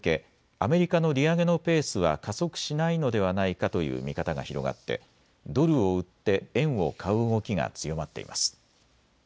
アメリカの利上げのペースは加速しないのではないかという見方が広がってドルを売って円を買う動きが強まっています。